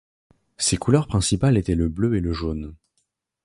Ses couleurs principales étaient le bleu et le jaune.